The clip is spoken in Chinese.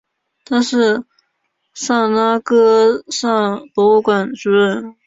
他是萨拉戈萨博物馆主任。